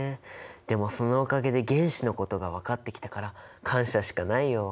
でもそのおかげで原子のことが分かってきたから感謝しかないよ。